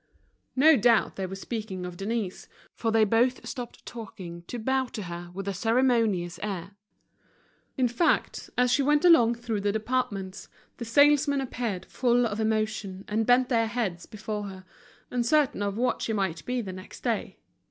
No doubt they were speaking of Denise, for they both stopped talking to bow to her with a ceremonious air. In fact, as she went along through the departments the salesmen appeared full of emotion and bent their heads before her, uncertain of what she might be the next day.